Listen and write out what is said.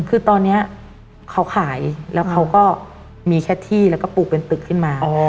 คือตอนนี้เขาขายแล้วเขาก็มีแค่ที่แล้วก็ปลูกเป็นตึกขึ้นมา